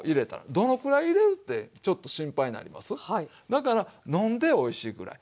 だから飲んでおいしいぐらい。